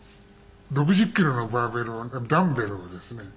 ６０キロのバーベルをダンベルをですね